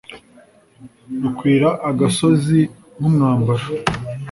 rukwira agasozi nk'umwambaro